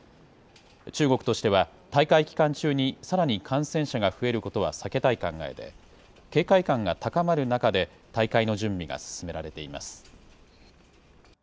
中国としては、大会期間中にさらに感染者が増えることは避けたい考えで、警戒感が高まる中で大会の準備が進められています。